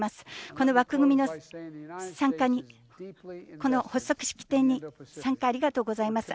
この枠組み発足式典の参加、ありがとうございます。